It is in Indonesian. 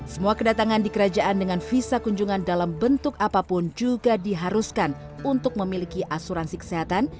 semua kedatangan di kerajaan dengan visa kunjungan dalam bentuk apapun juga diharuskan untuk memiliki asuransi kesehatan